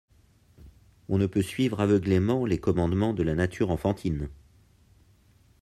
On ne peut suivre aveuglément les commandements de la nature enfantine.